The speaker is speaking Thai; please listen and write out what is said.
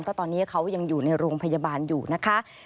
เพราะตอนนี้เขายังอยู่ในโรงพยาบาลอยู่นะคะ